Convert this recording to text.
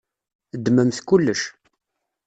Ddmemt kullec.